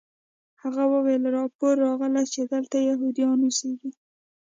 هغه وویل راپور راغلی چې دلته یهودان اوسیږي